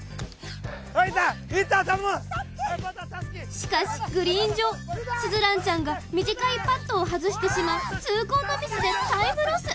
しかしグリーン上鈴蘭ちゃんが短いパットを外してしまう痛恨のミスでタイムロス。